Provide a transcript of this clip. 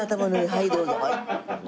はいどうぞ。